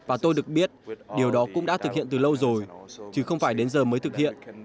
và tôi được biết điều đó cũng đã thực hiện từ lâu rồi chứ không phải đến giờ mới thực hiện